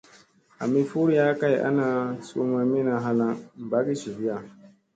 Ami furiya kay ana suu mamina halaŋ ɓagii jiviya.